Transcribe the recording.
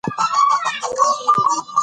ایا سړی به بیرته راشي ترڅو نور درمل واخلي؟